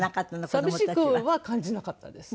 寂しくは感じなかったです。